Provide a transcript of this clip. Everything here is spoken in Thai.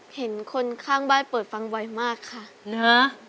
เห็นคนข้างบ้านเปิดฟังไวมากค่ะนะ